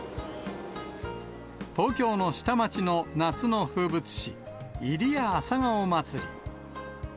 東京の下町の夏の風物詩、入谷朝顔まつり。